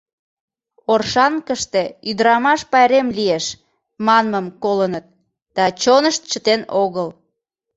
«Оршанкыште ӱдырамаш пайрем лиеш» манмым колыныт, да чонышт чытен огыл.